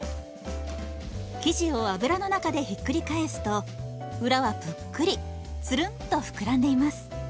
生地を油の中でひっくり返すと裏はぷっくりつるんとふくらんでいます。